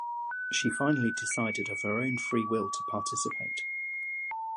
She finally decided of her own free will to participate.